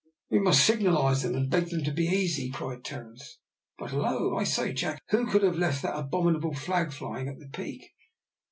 "We must signalise them, and beg them to be aisy," cried Terence. "But, hillo, I say, Jack, who could have left that abominable flag flying at the peak?"